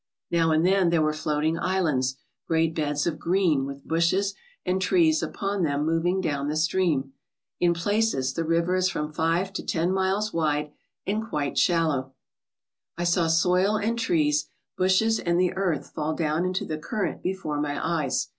Now and then there were floating islands, great beds of green, with bushes and trees upon them moving 'down the stream. In places the river is from five to ten miles wide and quite shallow. 137 ALASKA OUR NORTHERN WONDERLAND I saw soil and trees, bushes and the earth fall down into the current before my eyes.